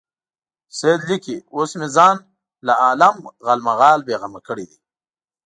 سید لیکي اوس مې ځان له عالم غالمغال بېغمه کړی دی.